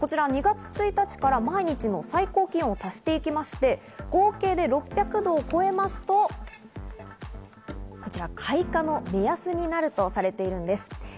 ２月１日から毎日の最高気温を足していきまして合計で６００度を超えますと、開花の目安になるとされているんです。